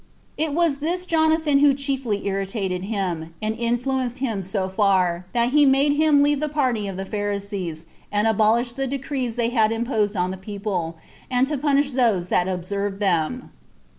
It was this Jonathan who chiefly irritated him, and influenced him so far, that he made him leave the party of the Pharisees, and abolish the decrees they had imposed on the people, and to punish those that observed them.